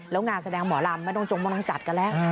แล้วงานแสดงหมอลำไม่ต้องจงไม่ต้องจัดกันแล้ว